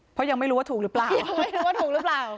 เพราะยังไม่รู้ว่าถูกหรือเปล่าไม่รู้ว่าถูกหรือเปล่า